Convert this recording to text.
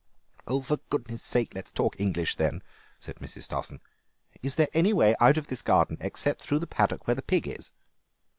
"For goodness' sake let us talk English then," said Mrs. Stossen. "Is there any way out of this garden except through the paddock where the pig is?"